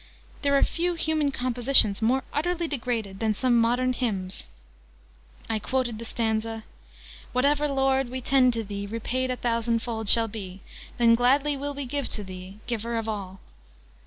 There are few human compositions more utterly degraded than some modern Hymns!" I quoted the stanza "Whatever, Lord, we tend to Thee, Repaid a thousandfold shall be, Then gladly will we give to Thee, Giver of all!'